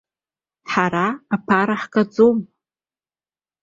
Ҳара аԥара аагаӡом!